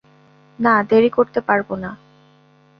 না, দেরি করতে পারব না।